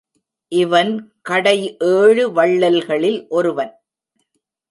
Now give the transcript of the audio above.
இவன் கடைஏழு வள்ளல்களில் ஒருவன்.